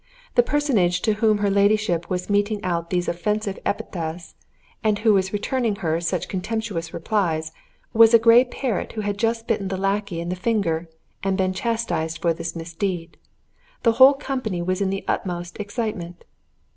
The personage to whom her ladyship was meting out these offensive epithets, and who was returning her such contemptuous replies, was a grey parrot who had just bitten the lackey in the finger and been chastised for this misdeed. The whole company was in the utmost excitement.